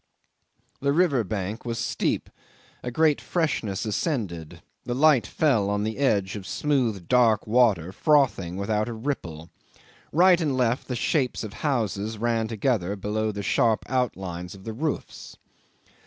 'The river bank was steep; a great freshness ascended, the light fell on the edge of smooth dark water frothing without a ripple; right and left the shapes of the houses ran together below the sharp outlines of the roofs.